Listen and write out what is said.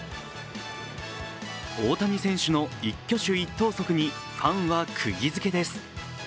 大谷選手の一挙手一投足にファンはくぎづけです。